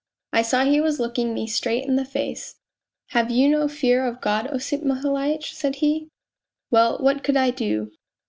I saw he was looking me straight in the face. ' Have you no fear of God, Osip Mihailitch ?' said he. Well, what could I do